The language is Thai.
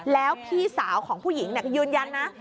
แล้วพี่สาวของผู้หญิงยืนยันนะ